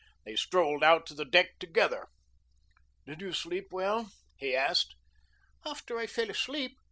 They strolled out to the deck together. "Did you sleep well?" he asked. "After I fell asleep.